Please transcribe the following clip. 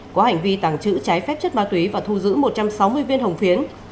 có hành vi tàng trữ trái phép chất ma túy và thu giữ một trăm sáu mươi viên hồng phiến